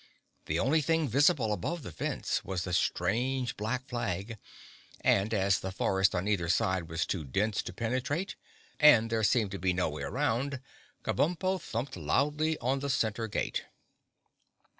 The only thing visible above the fence was the strange black flag, and as the forest on either side was too dense to penetrate and there seemed to be no way around, Kabumpo thumped loudly on the center gate.